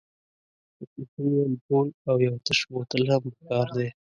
د پنسلین امپول او یو تش بوتل هم پکار دی.